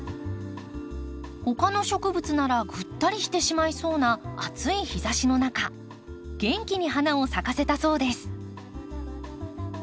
他の植物ならぐったりしてしまいそうな暑い日ざしの中元気に花を咲かせたそうです。